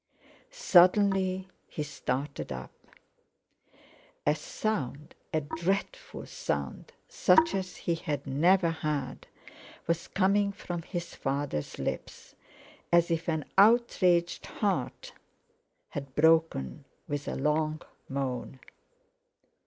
Suddenly he started up; a sound, a dreadful sound such as he had never heard, was coming from his father's lips, as if an outraged heart had broken with a long moan.